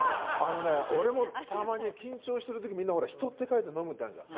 俺もたまに緊張してる時「人」って書いてのむっていうのあるじゃん。